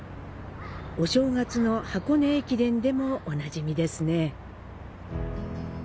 お正月の箱根駅伝でもおなじみですね。